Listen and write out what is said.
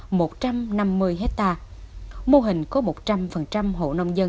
ha mô hình có một trăm linh hộ nông dân áp dụng chương trình ba giảm ba tăng gồm giảm lượng giống gieo xạ